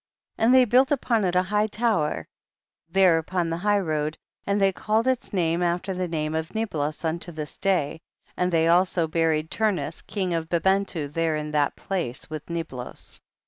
26. And they built upon it a high tower there upon the highroad, and they called its name after the name of Niblos unto this day, and they al so buried Turnus king of Bibentu there in that place with Niblos.